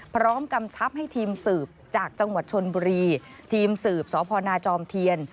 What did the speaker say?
กำชับให้ทีมสืบจากจังหวัดชนบุรีทีมสืบสพนาจอมเทียน